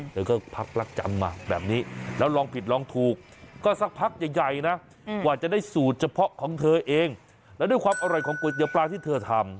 เธอก็พักรักจำมาแบบนี้แล้วลองผิดลองถูกก็สักพักใหญ่นะกว่าจะได้สูตรเฉพาะของเธอเองแล้วด้วยความอร่อยของก๋วยเตี๋ยปลาที่เธอทำ